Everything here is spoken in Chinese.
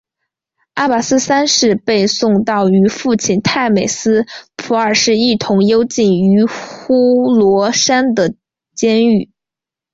阿拔斯三世被送到与父亲太美斯普二世一同幽禁于呼罗珊的监狱。